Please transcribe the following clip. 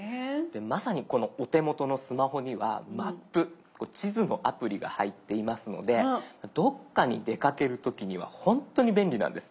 まさにこのお手元のスマホには「マップ」地図のアプリが入っていますのでどっかに出かける時にはほんとに便利なんです。